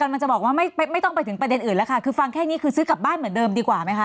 กำลังจะบอกว่าไม่ต้องไปถึงประเด็นอื่นแล้วค่ะคือฟังแค่นี้คือซื้อกลับบ้านเหมือนเดิมดีกว่าไหมคะ